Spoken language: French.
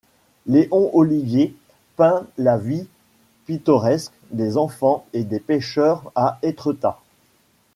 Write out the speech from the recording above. Léon Olivié peint la vie pittoresque des enfants et des pêcheurs à Etretat.